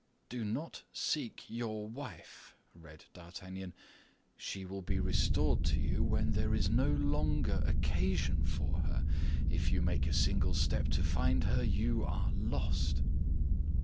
"'Do not seek your wife,'" read D'Artagnan; "'she will be restored to you when there is no longer occasion for her. If you make a single step to find her you are lost.